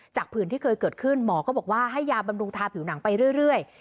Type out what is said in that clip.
ผื่นที่เคยเกิดขึ้นหมอก็บอกว่าให้ยาบำรุงทาผิวหนังไปเรื่อย